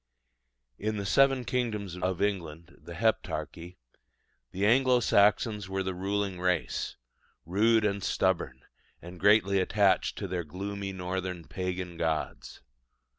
In the seven kingdoms of England the Heptarchy the Anglo Saxons were the ruling race, rude and stubborn, and greatly attached to their gloomy northern pagan gods.